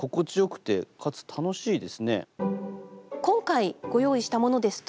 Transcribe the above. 今回ご用意したものですと